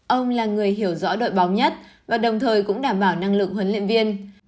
ông là người hiểu rõ đội bóng nhất và đồng thời cũng đảm bảo năng lực huấn luyện viên